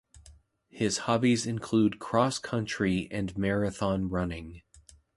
His hobbies include cross-country and marathon running.